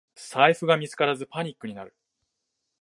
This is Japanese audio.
財布が見つからずパニックになる